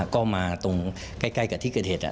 ก็มาตรงใกล้กับที่เกิดเหตุ